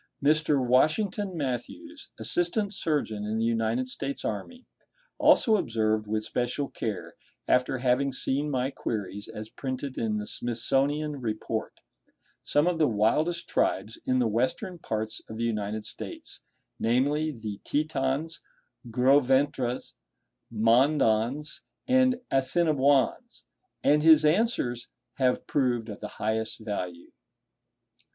Mr. Washington Matthews Assistant Surgeon in the United States Army, also observed with special care (after having seen my queries, as printed in the 'Smithsonian Report') some of the wildest tribes in the Western parts of the United States, namely, the Tetons, Grosventres, Mandans, and Assinaboines; and his answers have proved of the highest value.